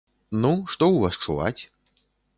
Ну, што ў вас чуваць?